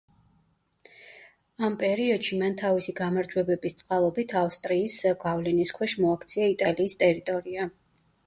ამ პერიოდში, მან თავისი გამარჯვებების წყალობით ავსტრიის გავლენის ქვეშ მოაქცია იტალიის ტერიტორია.